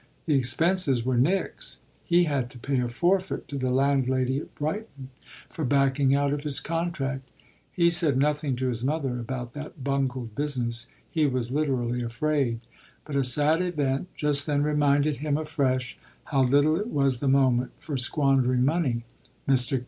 The expenses were Nick's: he had to pay a forfeit to the landlady at Brighton for backing out of his contract. He said nothing to his mother about that bungled business he was literally afraid; but a sad event just then reminded him afresh how little it was the moment for squandering money. Mr.